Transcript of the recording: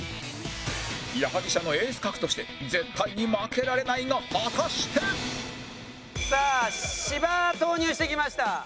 矢作舎のエース格として絶対に負けられないが果たしてさあ芝投入してきました。